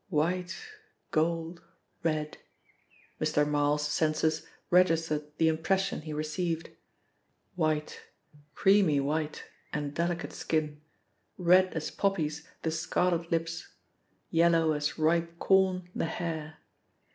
"White gold red," Mr. Marl's senses registered the impression he received. White, creamy white and delicate skin, red as poppies the scarlet lips, yellow as ripe corn the hair.